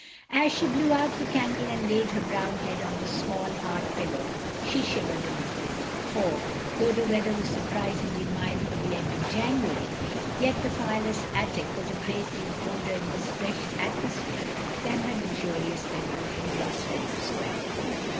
As she blew out the candle and laid her brown head on the small, hard pillow, she shivered a little, for, though the weather was surprisingly mild for the end of January, yet the fireless attic was a great deal colder in this fresh atmosphere, than her luxurious bedroom in Grosvenor Sqtiare.